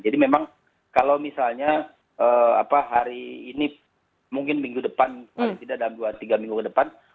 jadi memang kalau misalnya hari ini mungkin minggu depan mungkin tidak dalam dua tiga minggu ke depan